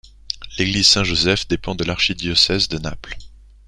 L'église Saint-Joseph dépend de l'archidiocèse de Naples.